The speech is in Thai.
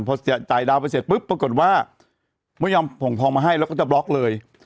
พอจ่ายดาวไปเสร็จปุ๊บปรากฏว่าไม่ยอมผงทองมาให้แล้วก็จะบล็อกเลย